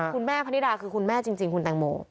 พนิดาคือคุณแม่จริงคุณแตงโม